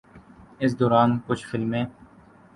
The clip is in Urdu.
اس دوران کچھ فلمیں